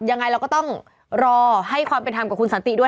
ยังไงเราก็ต้องรอให้ความเป็นธรรมกับคุณสันติด้วย